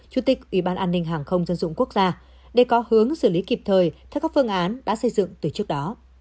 chủ tịch ủy ban an ninh hàng không dân dụng quốc gia để có hướng xử lý kịp thời theo các phương án đã xây dựng từ trước đó